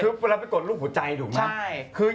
คือเวลาไปกดลูกหัวใจถูกมั้ย